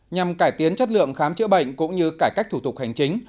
nhằm cải tiến chất lượng khám chữa bệnh cũng như cải cách thủ tục hành chính